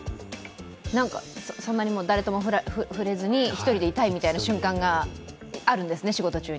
なんかそんなに誰とも触れずに１人でいたい瞬間があるんですね、仕事中に。